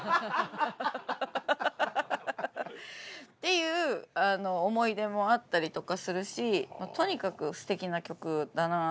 いう思い出もあったりとかするしとにかくすてきな曲だなって。